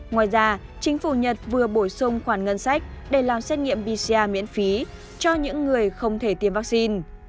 ngoài ra chính phủ nhật vừa bổ sung khoản ngân sách để làm xét nghiệm pcr miễn phí cho những người không thể tiêm vaccine